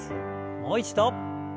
もう一度。